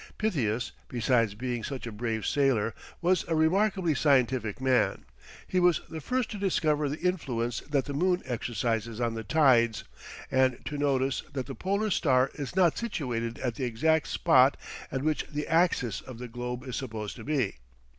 Pytheas, besides being such a brave sailor, was a remarkably scientific man: he was the first to discover the influence that the moon exercises on the tides, and to notice that the polar star is not situated at the exact spot at which the axis of the globe is supposed to be.